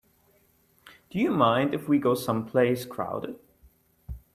Do you mind if we go someplace crowded?